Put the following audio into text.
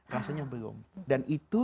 rasanya belum dan itu